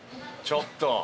ちょっと。